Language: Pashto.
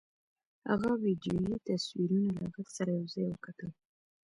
هغه ويډيويي تصويرونه له غږ سره يو ځای وکتل.